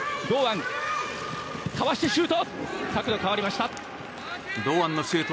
かわしてシュート！